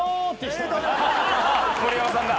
森山さんだ。